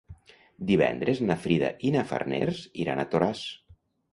Divendres na Frida i na Farners iran a Toràs.